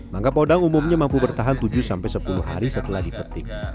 mangga podang umumnya mampu bertahan tujuh sampai sepuluh hari setelah dipetik